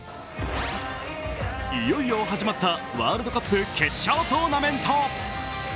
いよいよ始まったワールドカップ決勝トーナメント。